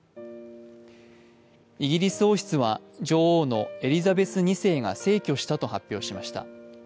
イギリス王室は、女王のエリザベス２世が逝去したと発表しました。